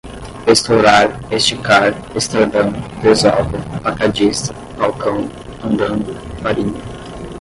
estourar, esticar, estradão, desova, facadista, falcão, fandango, farinha